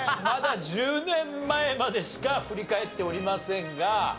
まだ１０年前までしか振り返っておりませんが。